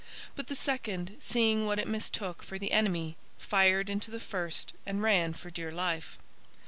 But the second, seeing what it mistook for the enemy, fired into the first and ran for dear life.